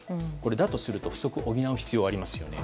だとすると、不足を補う必要がありますよね。